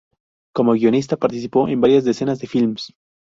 Como guionista participó en varias decenas de filmes.